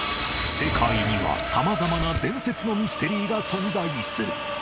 世界には様々な伝説のミステリーが存在する